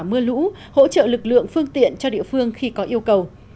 mưa lũ hỗ trợ lực lượng phương tiện cho địa phương khi có yêu cầu